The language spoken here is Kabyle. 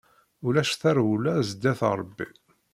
Ulac tarewla zdat Ṛebbi.